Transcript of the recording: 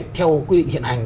theo quy định hiện hành